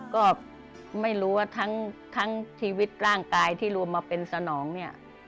ก็ไม่รู้ว่าทั้งชีวิตร่างกายที่รวมมาเป็นสนองเนี่ย